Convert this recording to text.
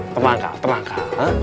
tenang kak tenang kak